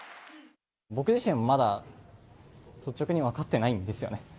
僕自身もまだ率直に分かってないんですよね。